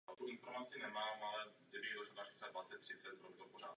Zbytek sem přesídlil z jiných vesnic a měst v Izraeli.